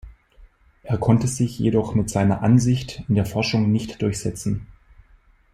Er konnte sich jedoch mit seiner Ansicht in der Forschung nicht durchsetzen.